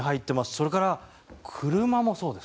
それから、車もそうです。